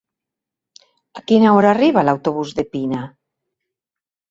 A quina hora arriba l'autobús de Pina?